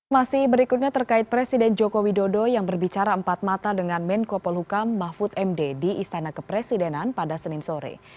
masih berikutnya terkait presiden joko widodo yang berbicara empat mata dengan menko polhukam mahfud md di istana kepresidenan pada senin sore